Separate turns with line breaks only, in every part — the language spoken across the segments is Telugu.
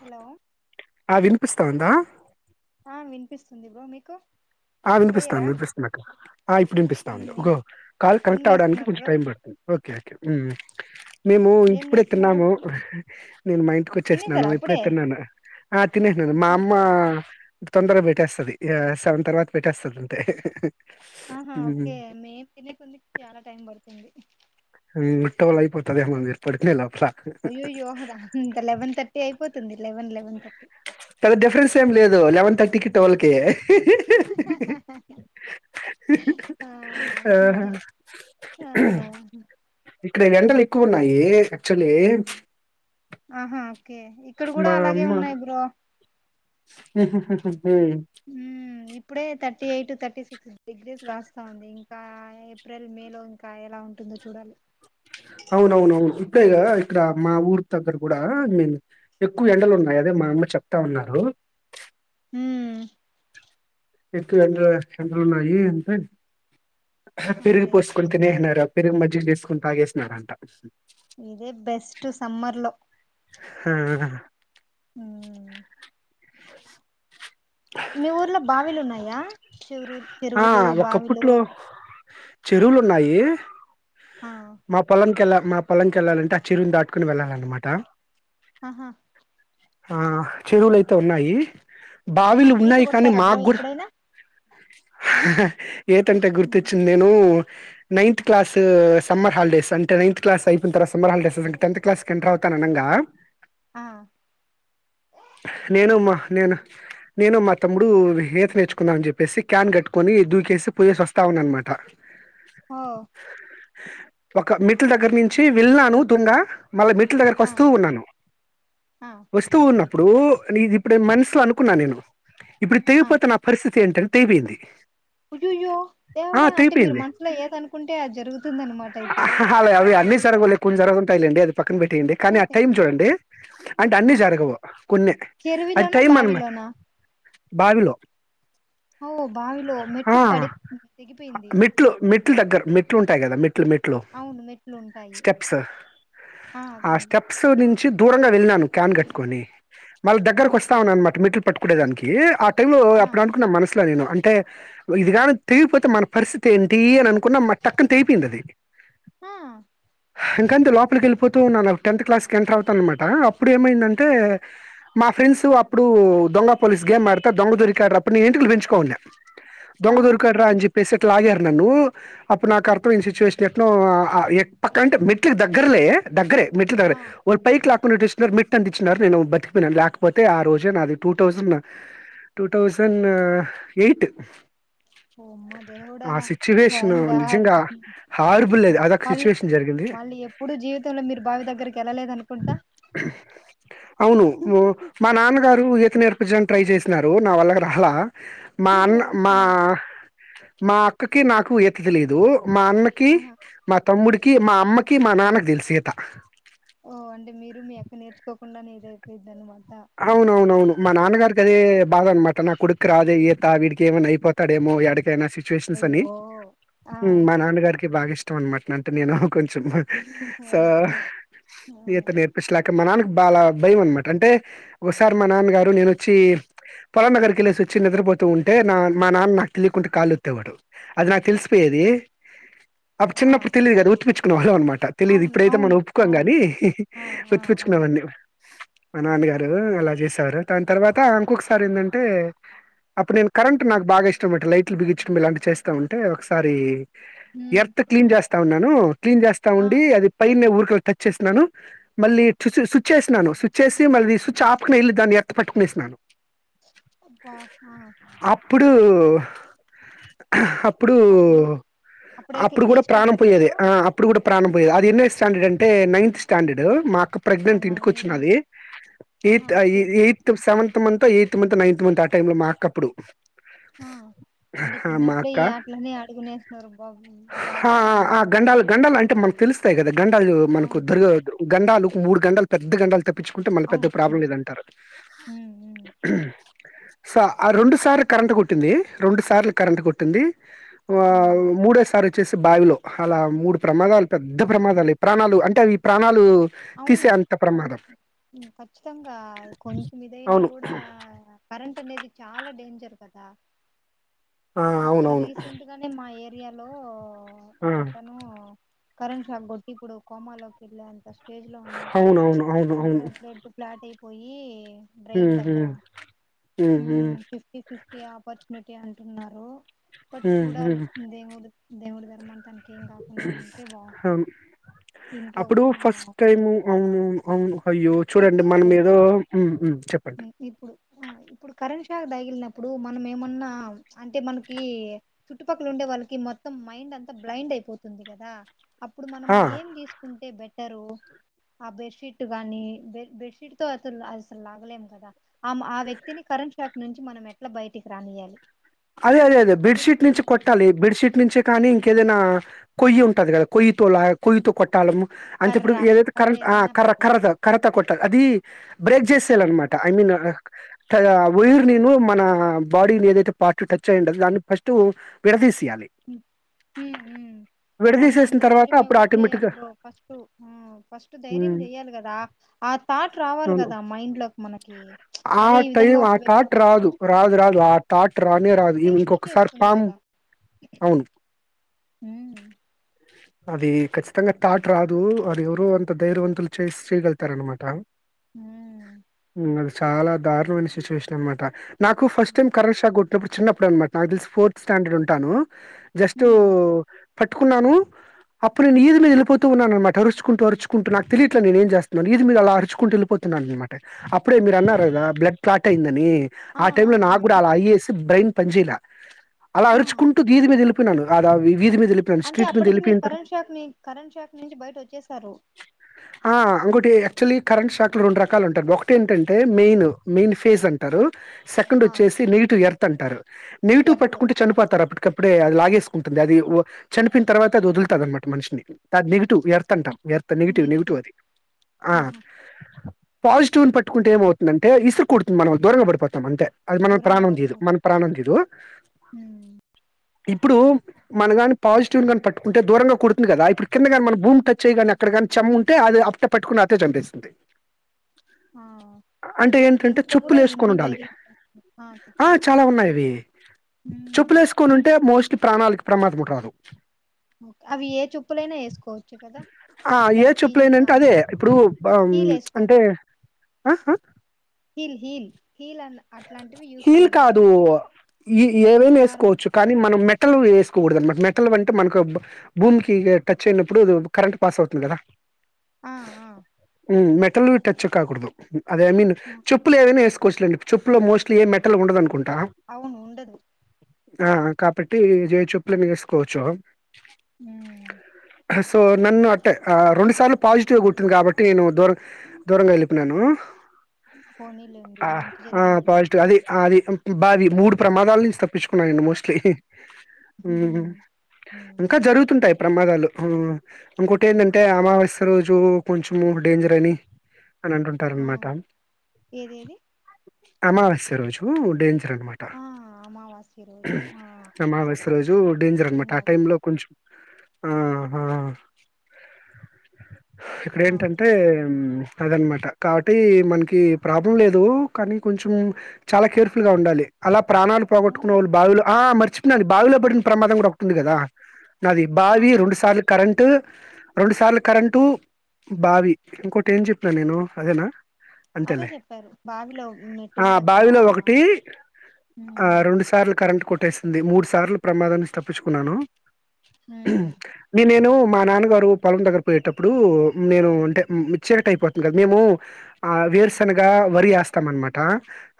హలో
ఆ వినిపిస్తా ఉందా
ఆ వినిపిస్తుంది బ్రో మీకు
ఆ వినిపిస్తాను
క్లియరా
వినిపిస్తాను అక్కడ ఆ ఇప్పుడు వినిపిస్తాఉంది
ఏం
కాల్
ఏం
కనెక్ట్ అవడానికి
చేస్తున్నారు
కొంచెం
బ్రో
టైం పడుతుంది ఓకే మ్ మేము
ఏం
ఇంటిప్పుడు
చేస్తున్నారు
తిన్నాము నేను మా ఇంటికి వచ్చేసినాను
తినేసారా
ఎప్పుడై
అప్పుడే
తెన్నాను తినహినాను మా అమ్మ
ఓకే ఓకే
తొందరగా పెట్టేస్తుది సెవెన్ తర్వాత పెట్టేస్తుందింటే
ఆహా ఓకే మ పిల్లికి ఉంది చాలా టైం పడుతుంది
ముట్టల్ళ అయిపోతాదేమో మీరు పడుకనే లోపు
అయ్యోయ్యో రా లెవెన్ తర్టీ అయిపోతే eleven eleven thirty
eleven thirty కి టువెల్కి
హహహహహహహహహ ఆ ఆ
ఆహా
హహహహ
కువున్నాయి అక్చుల్లీ
ఆహా కే ఇక్కడ కూడా అలాగే ఉన్నాయి బ్రో
మ్హ్ హ్ హ హ
మ్ ఇప్పుడే thirty eight to thirty six degrees కాస్తా ఉంది ఇంకా ఏప్రిల్ మే లో ఇంకా ఎలా ఉంటుందో చూడాలి
అవునవునవును ఇక్కడ ఇక్కడ మా ఊర్ దగ్గర కూడా ఐ మీన్ ఎక్కువ ఎండలు ఉన్నాయి అదే మా అమ్మ చెప్తా ఉన్నారు
ఉం
ఎక్కు ఎండలు ఎండలున్నాయి అంటె ఫిరిగి
ఓకే
పోర్స్కొ తనే ఏనార పెరుగు మజ్జిగ చేసుకుని తాగేసినారంట
ఇదే బెస్ట్ సమ్మర్ లో
హా ఆ
మీ ఊర్లో బావిలు ఉన్నాయి యా చె
ఆ!
చెరువులు బావిలు
ఒకప్పట్లో చెరువులు ఉన్నాయి
ఆ
మా పొలంకి వెళ్ళ మా పొలంకి వెళ్ళాలంటే ఆ చిరువుని దాటుకుని వెళ్ళాలన్నమాట
ఆహా
ఆ చెరువులుయితే ఉన్నాయి
ఆ
బావిలు
ఈత
ఉన్నాయి కానీ
కొడతారా బ్రో
మాగ్ గూడా
ఎప్పుడైనా
హహహహ అ ఈత అంటే గుర్తిచ్చింది నేను నైన్త్ క్లాస్ సమ్మర్ హాలిడేస్ అంటే నైత్ క్లాస్ అయిపోన తర్వాత సమ్మర్ హాలిడేస్ టెన్త్ క్లాస్ కు ఎంటర్ అవుతనగా
ఆ
నేను మా నేను నేను మా తమ్ముడు ఈత నేర్చుకుందాం అని చెప్పేసి క్యాన్ కట్టుకొని దూకేసి పోయేసి వస్తా ఉన్నా అన్నమాట
ఓ
ఒక మెట్లు దగ్గర నుంచి వెళ్ళనాను తుంగా మళ్ళ మెట్లు దగ్గరకి
ఆ
వస్తూ ఉన్నాను
ఆ
వస్తూ ఉన్నా ఇప్పుడు నీది ఇప్పుడే మనసులో అనుకున్నా నేను ఇప్పుడు
ఆ
తెగిపోతే నా పరిస్థితి ఏంటి అని తెగిపోయింది
అయ్యయ్యో
ఆ
దేవుడా అంటే మీరు
తెగిపోయింది
మనసులో ఏద అనుకుంటే అది జరుగుతు తుంది అన్నమాట అయితే
అలా అవి అన్ని జరగవులే కొన్ని జరుగుతుంటాయి లే పక్కన పెట్టేయండి కానీ ఆ టైం చూడండి అంటే
ఆ
అన్ని జరగవు కొన్నే అది
చెరువులోనా
టైం అన్నమాట
బావిలోనా
బావిలో
ఓ బావిలో
ఆ
మెట్టుకు పడి తెగిపోయింది
మెట్లు మెట్లు దగ్గర మెట్లు ఉంటాయి కదా మెట్లు మెట్లు
అవును మెట్లు ఉంటాయి
స్టెప్స్ ఆ స్టెప్స్ ను చి దూరంగా వెళ్ళానాను క్యాన్ కట్టుకొని, మళ్ళ
ఆ
దగ్గర వస్తా
ఓకే
ఉన్నమాట మెట్లు పట్టుకుడేదానికి టైంలో
ఆ
అప్పుడు అనుకున్న మనసులో నేను అంటే ఇదిగాని తెలిగిపోతే మన పరిస్థితి ఏంటి అని అనుకున్న మ టక్కున తెపోయింది అది
ఆ
ఇంకంతే లోపలికి వెళ్ళిపోతూ వున్న టెన్త్ క్లాస్ కి ఎంటర్ అవుతాను అన్నమాట అప్పుడు ఏమైందంటే మా ఫ్రెండ్స్ అప్పుడు దొంగ పోలీస్ గేమ్ ఆడత దొంగ దొరికా ఆడారు అప్పుడు నీ ఎంటికలు పెంచుకోన్న
ఆ
దొంగ
ఓకే
దొరికారా అని చెప్పేసి లాగారు నన్ను అప్పుడు నాకు అర్థం సిచ్యువేషన్ ఎటో పక్క అంటే మెట్లకి దగ్గరలే దగ్గరే మెట్లు దగరే
ఆ
ఒక పైక్ లాక్ టూ మిట్ అందించినారు నేను బతిపోయినాను లేకపోతే ఆ రోజే నాది two thousand two thousand eight
ఓ అమ్మ దేవుడా
ఆ సిచ్యువేషన్
థాయగాడ్,
నిజంగా హార్బుల్ అది ఒక సిచువేషన్ జరిగింది
మళ్ళీ ఎప్పుడు జీవితంలో మీరు బావి దగ్గరికి వెళ్ళలేదు అనుకుంటా
అవును ను మా నాన్నగారు ఈత ఎంకరేజే చేసినారు నా వాళ్ళకి రాలా మా అన్న మా
ఓకేనే
మా అక్క కి నాకు ఇదిలేదు మా అన్నకి
ఆహా
మా తమ్ముడి కి మా అమ్మకి మా నాన్నకి తెలుసేత
ఓ అండీ మీరు మీ అక్క నేర్చుకోకుండా నద ను మ
అవున అవున అవును మా నాన్నగారికి అదే బాధ అనమాట నా కుడుకు రాదే ఈత వీడికి ఏమన్నా అయిపోతాడేమో ఎడి కి నా సిచ్యువేషన్స్
అయ్యో
అన్ని
ఆ
మా నాన్నగారికి బాగా ఇష్టం ఇష్టం అనమాట అంటే నేను కొంచెం స
ఓకే ఆ
ఈత నరు పచ్చలాక మనను బాలా భయం అనమాట అంటే ఒకసారి మా నాన్నగారు నేనొచ్చి పొలం దగ్గరికి ఎలేసివచ్చి ఓసారి మా నాన్న గారు నేనొచ్చి వచ్చి నిద్రపోతూ ఉంటే నా మా నాన్న నాకు తెలియకుంటే కళ్ళోతే వాడుఅది నాకు తెలిసిపోయేది అప్పు
ఆ
చిన్నప్పు తెలియదు ఉత్పిచు న్డి [inaudible] తెలిదు
అవును
ఇప్పుడైతే మనం
అవును
ఒప్పుకోం గాని
అవును ఆ ఆ ఆ
ఒతిపచ్చుకున్నామన్నీ మా నాన్నగారూ అలా చేసారు దాని తర్వాత ఇంకొకసారి ఏందాంటె అప్పుడు నేను కరెంట్ నాకు బాగా ఇష్టం లైట్లు బిగించడంలాంటి చేస్తా ఉంటే ఒకసారి
ఉమ్
ఎర్త్ క్లీన్ జాస్తి తా ఉన్నాను క్లీన్ చేస్తా
ఆ
ఉండి అది పైన్నే ఉర్ టచ్ చేస్తున్నాను మళ్ళీ స్చ్ చేసునన్ను స్విచ్ చేసి మళ్ళీ చాపకునివెళ్ళి దాన్ని ఎత్త పట్టుకునేసాను
అబ్బా ఆ
ఇప్పుడు అప్పుడు
ఏ
అప్పుడు
ఏ
కూడా ప్రాణం
స్టాండర్డ్
పోయేది
మీరు
ఆ అప్పుడు కూడా ప్రాణం పోయే అది ఎన్న స్టాండర్డ్ అంటే నైన్త్ స్టాండర్డ్ మాకు ఒక
ఆ
ప్రెగ్నెంట్ ఇంటికి
నైన్
వచ్చినది
ఆహా
ఎయిత్ ఎయి
okay
eighth seventh month eighth month ninth month ఆ టైమ్ లో మా అక్కపుడు
ఆ అంటే చిన్నప్పుడే ఈ
అక్క
ఆటలనే అడుగునేస్తున్నారు బా జాగ్రత్త ఉ
మ తెలుస్తాయిదా గంటలు మనకు దొరవద్దు గండాలు మూడు గండాలు పెద్ద గండాలు తప్ప పెచ్చుకుంట మళ్ల పెద్ద
అవును
ప్రాబ్లం లేదంటారు.
ఉమ్ ఉమ్
సొ ఆ రెండు సార్లు కరెంటు కుట్టింది. రెండు సార్లు కరెంటు కొట్టింది. ఆ మూడొసారి వచ్చేసి బావిలో అలా మూడు ప్రమాదాలు పెద్ద ప్రమాదాలు ప్రాణాలు అంటే అవి ప్రాణాలు తీసే అంత ప్రమాదం.
చ్చితంగా కొంచెం ఇదైనా
అవును.
కూడా క రెంట్ అనేది చాల డేంజర్ కదా!
ఆ!
ఇక్కడ
అవునవును.
రీసెంట్ గానే మా ఏరి యాలో
ఆ!
ఒకతనూ కరెంట్ షాక్ కొట్టి ఇప్పుడు కోమాలోకి ఎళ్ళే స్టేజ్ లో ఉన్నారు. ప్చ్
అవునవును. అవును. అవును.
ఇప్పుడిప్పుడే ఫ్లాట్ అయి పొయీ బ్రేయిన్
హ్మ్.
దగ్గర
హ్మ్. హ్మ్.
మ్మ్
హ్మ్.
ఫిఫ్టీ ఫీఫ్టీ ఆపర్చట్ను టి అంటున్నారు బట్
హ్మ్.
చూడాలి
హ్మ్.
దేవుడు దేవుడు ధర్మాన తనకేం కాకున్నా ఉంటే బాగున్ను
అవును.
ఇంట్లో
అప్పుడు ఫస్ట్
మా-
టైం [unintelligible] అయ్యో చూడండి
ఇప్పుడు
మన మీద, మ్మ్ మ్మ్ చెప్పండి.
ఇప్పుడు ఆ ఇప్పుడు కరెంట్ షాక్ తగిలినప్పుడు మనం ఏమన్నా, ప్చ్ అంటే మనకీ చుట్టుపక్కల ఉండే వాళ్ళకి మొత్తం మైండ్ అంతా బ్లైండ్ అయిపోతుంది కదా, అ ప్పుడు మనం
ఆ!
ఏం తీసుకుంటే బె టరు ఆ బెడ్ షీట్ గానీ బెడ్ బెడ్షీట్ తో అసలు అసలు లాగలేం కదా ఆ మ ఆ వ్యక్తిని కరెంట్ షాక్ నుంచి మనం ఎట్ల బయటికి రానియాలి.
అదే అదే అదే బెడ్షీట్ నుంచి
అనేటివేమన్నా
కొట్టాలి బెడ్షీట్ నుంచి కానీ ఇం కేదైనా కొయ్యి ఉంటది కదా కొయ్యితో లా కొయ్యితో కొట్టాలమ్మ అంటే ఇప్పుడు
కర్ర
ఏదైతే కర
కర్ర
ఆ
ఏదైనా
కర్ర
పర్లేదు
కర్రత కరత కొట్టాలి అది బ్రేక్ చేసేలన్న మాట ఐ మీన్ కయా వైర్ నీ నూ మన బాడీని ఏదైతే పార్ట్ టచ్ అయ్యుంటాది దాన్ని ఫస్ట్ విడదీసి
మ్ మ్మ్ మ్మ్ కానీ
విడదీసేసిన
అంత
తర్వాత
ధైర్యం
అప్పుడు
ఎవరు చెయాలి
ఆటోమేటిక్‌గా
బ్రో. ఫస్ట్ ఊ ఫస్ట్ ధైర్యం
హ్మ్.
చెయ్యాలి కదా, ఆ థాట్ రావాలి
అవును.
కదా మైండ్ లో
ఆ టైమ్ ఆ థాట్ రాదు
బాధపడుతుంది
రాదు రాదు ఆ తాట్ రానే రాదు ఇ
టెన్షన్
ఇంకొకసారి
వచ్చేస్తుంది
పామ్
కదా
అవును
ఉమ్
అది ఖచ్చితంగా థాట్ రాదు అది ఎవరు అంత ధైర్యవంతులు చేసి చేయగలుతార అనమాట ఉమ్ చాలా దారుణమైన సిచ్యువేషన్ అనమాట నాకు ఫస్ట్ టైం కరం ష కొట్ నాకు చిన్నప్పుడు అనమాట నాకు తెలిసి ఫోర్త్ స్టాండర్డ్ ఉంటాను జస్టు పట్టుకున్నాను అప్పుడు నేను ఇది మీద వెళ్పోతూన్నానునమాట అరుచుకుంటూ అరుచుకుంటూ నాకు తెలియట్లే నేను ఏ చేస్తున్నాను ఇది మీద అలా అరుచుకుంటూ వెళ్పోతున్నాను అనమాట ఇప్పుడే మీరు
సో
అన్నారు కదా బ్లడ్ ప్లాటయిందని ఆ టైమ్ లో నాకు కూడా అలా ఐఎస్ బ్రెయిన్ పనించ ఇలా అలా
ఆ
అరుచుకుంటూ దీది మీద నను అదా వి వది మీద తెలి
అంటే
స్ట్రీట్
అప్పటికి
మీలి
మీరు కరెంట్ షాక్ ని కరెంట్ షాక్ నుంచి బయట వచ్చసారు
యాక్చువలీ కరెంట్ షాక్ రెండు రకాలు ఉంటారు ఒకట ఏంటంటే మెయిన్ మెయిన్ ఫేజ్ అంటారు సెకండ్
ఆ
వచ్చేసి నెగిటివ్ ఎర్త్ అంటారు నెగిటివ్
ఎర్త్
పట్టుకుంటే చనిపోతారు అప్పటిక అప్పుడే అది లాగేసుకుంటుంది అది చనిపోన తర్వాత వదులుతా అన్నమాట మనిషని అది నెగిటివ్ ఎర్ అంటం వర్థ నెగిటివ్ నెగిటివ్ అది ఆ
ఆహా
పాజిటివ్ ని పట్టుకుంటేమవుతుందంటే ఇసురు కుడుతుంది మనం దూరంగా పడిపోతం అంటే అది మన ప్రాణ
దూరంగా
వందదు
పడిపో
మన ప్రాణ వందదు ఇప్పుడు మనగాని పాజిటివ్ కాని పట్ ఉంటే దూరంగా కుడుతుంది కదా ఇప్పుడు కిందగాని మన భూమి టచ్యిగాని అక్కడ కాని చెమ్ ఉంటే అది అప్ట్ట పెట్టుకుని అతే చంపిస్తుంది
ఆ
అంటే ఏంటంటే
దీంట్లో కూడా
చప్పులు వేసుకొని
ఇన్ని
ఉండాలి
వేరియేషన్స్
ఆ
చెప్పులు
చాలా ఉన్నాయివి
ఉమ్
చప్పులు వేసుకొని ఉంటే మోస్ట్ ప్రాణల్క్ ప్రమాదకుంటా రాదు
అవి ఏ చూప్పులైనా వేసుకోవచ్చు కదా
ఆ ఏ
లైక్ హీలు
చెప్పులేనంటే అదే
గానీ
ఇప్పుడు ఆహ్,
హీలు
హ్మ్, అంటే
ఏస్కోకూడదు
ఆ హు
హిల్ హిల్ హిల్ అన్ అట్లాంటివి యూస్
హీల్
చేయకూడదు
కాదు ఈ ఏవైనా
నార్మల్
వేసుకోవచ్చు కానీ మనం మెట్ టలు వేసుకోకూడదండి మెటల్ వంటి మనకు అబ్ భూమికి టచ్ అయినప్పుడు కరెంట్ పాస్ అవుతుంది కదా
ఆ ఆ
హు మెటలు టచ్ కాకూడదు అదే నిను
ఆ.
చెప్పులు ఏమైన ఏసు కోశలండి చెప్పు లో మోస్ట్లీ ఏ మెటల్ ఉండదానుకోం
అవును ఉండదు
ఆ కాబట్టి జయచెప్పులైన వేసుకోవచ్చు
హు
సో నన్ను అట్టే ఆ రెండు సార్లు పాజిటివ్గా కొట్టింది కాబట్టి నేను దూర దూరంగా ఎల్లిపేనాను
పోనీలేండి
హా
మంచి
ఆ
జరిగింది మీకు
పాజిటివ్ అది ఆ అది తం తుమ్ భారీ మూడు ప్రమాదాల నుంచి తప్పించుకున్నా నేను మోస్ట్లీ
హుహూ
ఇంకా జరుగుతుంటై ప్రమాదాలు హు ఇంకోటెందంటే అమావస్య రోజు కొంచం డేంజర్ అని అని అంటుంటారు
ఆ
అన్నమాట
ఏదేది
అమావాస్య రోజు డేంజర్ అన్మాట
ఆ అమావాస్య రోజు ఆ
అమావాస్య
కరెక్ట్
రోజు డేంజర్ అన్మాట
విన్నా విన్నా
పూలో కొంచెం ఆ హా హా ఇక్కడ
ఆ,
ఏంటంటే ఏం అదనమాట కాబట్టి మనకి ప్రాబ్లెమ్ లేదు కాని కొంచం చాలా కేర్ఫుల్ గా ఉండాలి అలా ప్రాణాలు
అవునులే
పోగొట్టుకునోలు బావి లో ఆ మర్చి బావిలో పడిన ప్రమాదం కూడ ఉంది కదా నాది బావి
ఆహా
రెండు సార్లు కరెంట్ టు రెండు సార్లు కరెంటు బావి ఇంకోటి ఏం చెప్పిన నేను అదేనా
అదే
అంతేలే
చెప్పారు బావిలో మెట్టుల
ఆ
దగ్గర
బావిలో
ఆ
ఒకటి
హు
టేసింది మూడు సార్లు ప్రమాదాం నుంచి తప్ పిచుకున్నాను
ఉమ్
నే నేనూ మా నాన్నగారు పొలం దగ్గర పోయేటప్పుడు నేను అంటే మిక్చర్ టైపోతుంది కదా మేమూ ఆ వేరుశనగ వరి ఏస్తాం అనమాట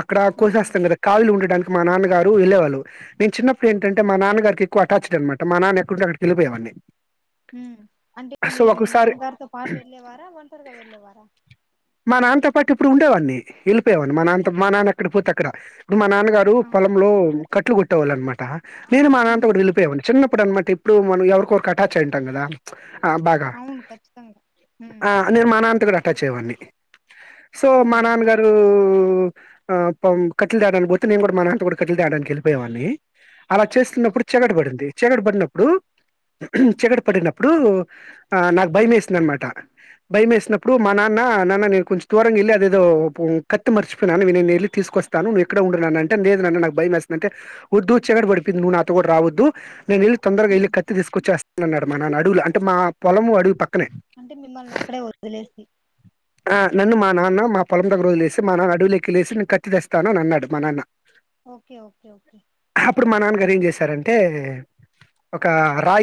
అక్కడ
ఆహా
కోసేస్తాం కదా కాళ్ళు ఉండడానికి మా నాన్న గారు ఏళ్ళే వాళ్ళు నేను చిన్నప్పుడు ఏంటంటే మా నాన్న గారికి ఎక్కువ అటాచ్డ్ అన్ మాట మా నాన్న ఎక్కడుంటే అక్కడికెళ్లి పోయే వాడిని
ఉమ్ అంటే మీరు మీ
ఒకసారి
నాన్నగారితో పాటు వెళ్ళేవారా ఒంటరిగా వెళ్ళేవారా
మా నాన్నతో పాటు ఇప్పుడు ఉండేవాన్ని ఎల్ పోయేవాడిని మా నాన్నతో
ఓ-
మా నాన్న ఎక్కడికి పోతే అక్ క్రా ఇప్పుడు మా నాన్నగారు
ఆ
పొలంలో కట్లు కొట్టేవాళ్ళు అనమాట నేను మా నాన్ డు
ఉమ్
వెళ్ళిపోయెవాడిని చిన్నప్పుడు అనమాట ఇప్పుడు మనం ఎవరికొఒకరికి అటాచ్ అయింటాం కదా ఆ బాగా
అవును ఖచ్చితంగా ఉమ్
ఆ నిర్మాణ అంతుడ టచ్ అయ్యే వాడిని సో మా
ఉమ్
నాన్న గారూ...... ఆ.. పాము కట్టలు తేడానికి పోతే నేను కూడా మా నాన్న తో పాటు కట్టెలు తేవడానికి వెళ్లి పొయ్యేవాడిని అలా
ఓకే
చేస్తున్నప్పుడు చీకటి పడినప్పుడు చీకటి పడినప్పుడు ఆ.. నాకూ భయమేసింది అనమాట భయమేసినప్పుడు మా నాన్న నాన్న నేను కొంచెం దూరంగా వెళ్ళి అదేదో కత్తి మర్చిపోయినాని నేను వెళ్ళి తీసుకొస్తాను నువ్వు ఇక్కడే ఉండు నాన్నా అంటే లేదు నాన్న నాకు భయమేస్తుంది అంటే వద్దు చీకటి పడిపోయింది నువ్వు నాక్ నువ్ కూడా రావద్దు నేను ఇల్లు తొందరగా ఎల్లి
ఉమ్
కత్తి తీసుకొచ్చేస్తన్నన్నాడు మన నడువులు అంటే మా పొలము అడవి పక్కనే
అంటే మిమ్మల్ని అక్కడే వదిలేసి
ఆ నన్ను మా నాన్న మా పొలం దగర వదిలేసి మా నాన్న అడవులెక్కి లేేసి నేను కత్తి తెస్తాను అని అన్నాడు మా నాన్న
ఓకే ఓకే ఓకే
గారు ఏం చేశారంటే ఒక రాయి